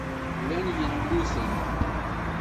Llan yilluten.